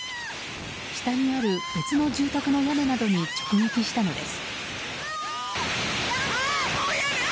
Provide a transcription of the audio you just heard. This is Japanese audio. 下にある別の住宅の屋根などに直撃したのです。